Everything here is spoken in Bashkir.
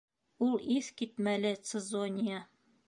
Ул иҫ китмәле, Цезония.